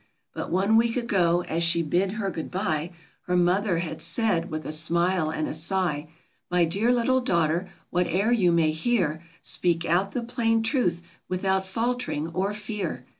But one week ago, as she bid her good bye, Her Mother had said, with a smile and a sigh,' "My dear little daughter, whate'er you may hear, Speak out the plain truth without faltering or fear